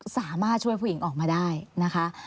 สามารถช่วยผู้หญิงออกมาได้นะคะ